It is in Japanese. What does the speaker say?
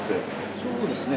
そうですね。